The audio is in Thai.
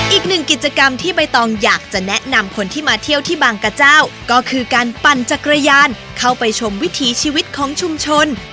อีกหนึ่งกิจกรรมที่ใบตองอยากจะแนะนำคนที่มาเที่ยวที่บางกระเจ้าก็คือการปั่นจักรยานเข้าไปชมวิถีชีวิตของชุมชน